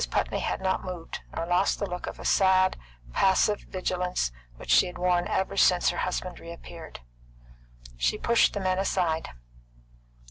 Putney had not moved, nor lost the look of sad, passive vigilance which she had worn since her husband reappeared. She pushed the men aside.